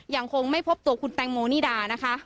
ยังคงไม่พบตัวคุณแตงโมนิดานะคะ